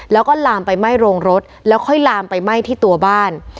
แล้วก็ลามไปไหม้โรงรถแล้วค่อยลามไปไหม้ที่ตัวบ้าน